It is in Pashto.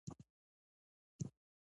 د کاناډا د تیلو زیرمې لویې دي.